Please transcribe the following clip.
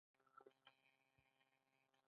دوی د اړتیا وړ توکي له ښاري کسبګرو پیرل.